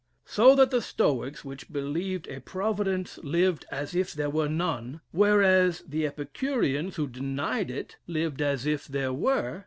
So that the Stoics, which believed a Providence, lived as if there were none; whereas the Epicureans, who denied it, lived as if there were....